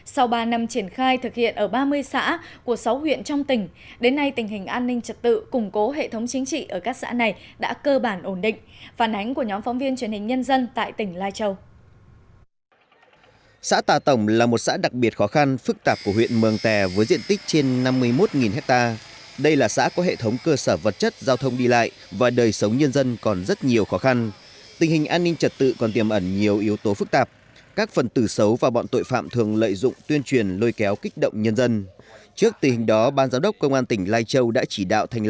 sau ba năm triển khai thực hiện ở ba mươi xã của sáu huyện trong tỉnh đến nay tình hình an ninh trật tự củng cố hệ thống chính trị ở các xã này đã cơ bản ổn định